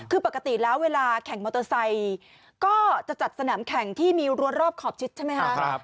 คือปกติแล้วเวลาแข่งมอเตอร์ไซค์ก็จะจัดสนามแข่งที่มีรัวรอบขอบชิดใช่ไหมคะ